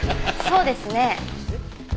そうですね。えっ？